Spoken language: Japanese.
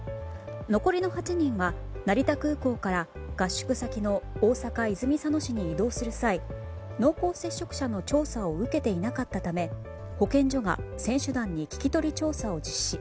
残りの８人は成田空港から合宿先の大阪・泉佐野市に移動する際濃厚接触者の調査を受けていなかったため保健所が選手団に聞き取り調査を実施。